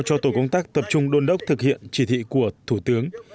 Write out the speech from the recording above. công tác tập trung đôn đốc thực hiện chỉ thị của thủ tướng